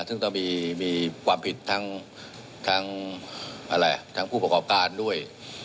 ซึ่งก็มีความผิดทั้งผู้ประกอบการด้วย